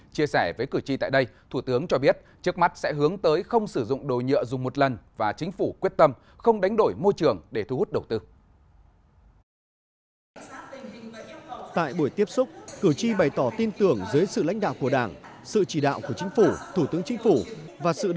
chia sẻ với cử tri tại đây thủ tướng cho biết trước mắt sẽ hướng tới không sử dụng đồ nhựa dùng một lần và chính phủ quyết tâm không đánh đổi môi trường để thu hút đầu tư